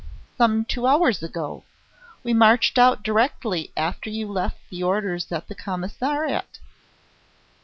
"Some two hours ago. We marched out directly after you left the orders at the Commissariat."